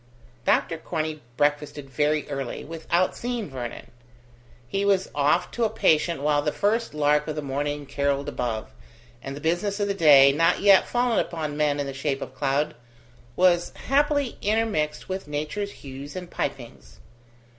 Dr Corney breakfasted very early, without seeing Vernon. He was off to a patient while the first lark of the morning carolled above, and the business of the day, not yet fallen upon men in the shape of cloud, was happily intermixed with nature's hues and pipings.